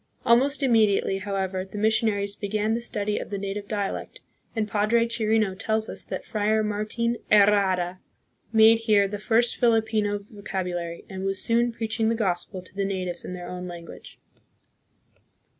Almost immediately, however, the mission aries began the study of the native dialect, and Padre Chirino tells us that Friar Martin Herrada made here the first Filipino vocabulary, and was soon preaching the Gospel to the natives in their own language.